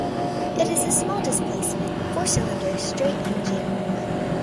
It is a small-displacement four-cylinder straight engine.